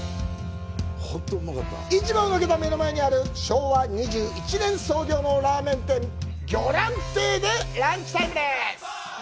市場を抜けた目の前にある昭和２１年創業のラーメン店ぎょらん亭でランチタイムです。